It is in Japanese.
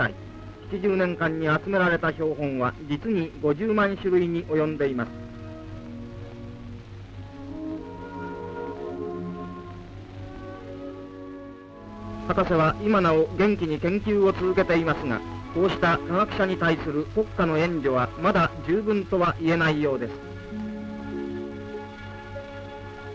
７０年間に集められた標本は実に５０万種類に及んでいます博士は今なお元気に研究を続けていますがこうした科学者に対する国家の援助はまだ十分とはいえないようです